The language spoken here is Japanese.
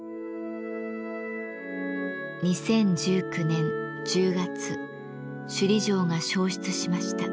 ２０１９年１０月首里城が焼失しました。